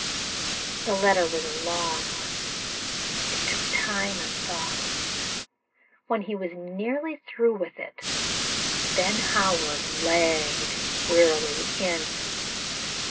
The letter was a long one. It took time and thought. When he was nearly through with it, Ben Howard lagged wearily in.